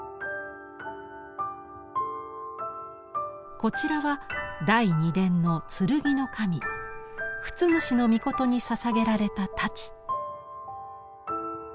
こちらは第二殿の剣の神経津主命にささげられた太刀。